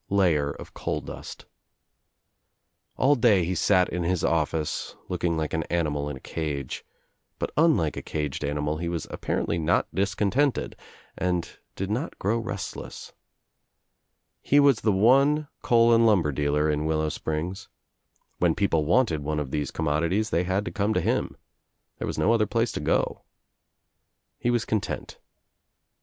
layer of coal dust. AH day he sat in his office looking like an animal In a cage, but unlike a caged animal he I was apparently not discontented and did not grow restless. He was the one coal and lumber dealer in Willow Springs. When people wanted one of these commodities they had to come to him. There was no other place to go. He was content.